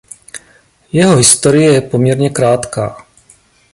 Jeho historie je poměrně krátká.